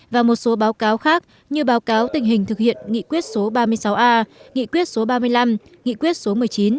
và một số báo cáo khác như báo cáo tình hình thực hiện nghị quyết số ba mươi sáu a nghị quyết số ba mươi năm nghị quyết số một mươi chín